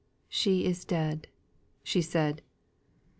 "She is dead!" she said.